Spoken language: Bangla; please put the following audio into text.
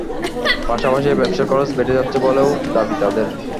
পাশাপাশি ব্যবসার খরচ বেড়ে যাচ্ছে বলেও দাবি তাঁদের।